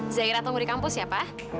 zahira tunggu di kampus ya pak